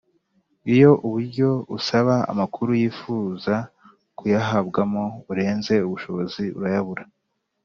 Iyo uburyo usaba amakuru yifuza kuyahabwamo burenze ubushobozi arayabura